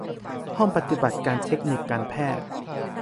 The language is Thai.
ห้องปฏิบัติการเทคนิคการแพทย์